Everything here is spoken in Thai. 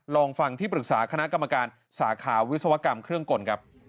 ลองฟังที่ปรึกษาคณะกรรมการสาขาวิศวกรรมเครื่องกลครับ